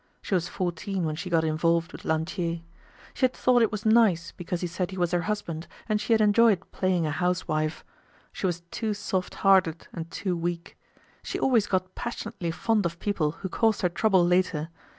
She was fourteen when she got involved with Lantier. She had thought it was nice because he said he was her husband and she had enjoyed playing a housewife. She was too soft hearted and too weak. She always got passionately fond of people who caused her trouble later.